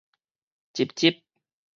集集